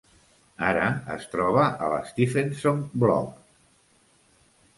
Ara es troba al Stephenson Block.